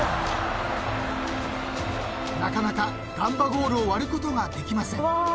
［なかなかガンバゴールを割ることができません］